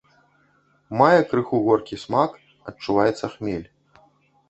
Мае крыху горкі смак, адчуваецца хмель.